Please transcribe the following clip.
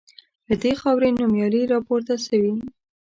له دې خاوري نومیالي راپورته سوي